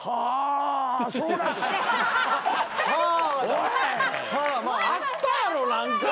おいあったやろ何か。